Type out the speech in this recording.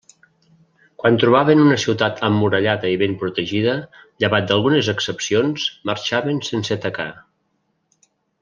Quan trobaven una ciutat emmurallada i ben protegida, llevat d'algunes excepcions, marxaven sense atacar.